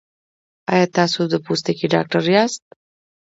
ایا تاسو د پوستکي ډاکټر یاست؟